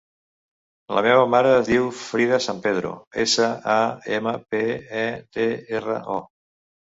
La meva mare es diu Frida Sampedro: essa, a, ema, pe, e, de, erra, o.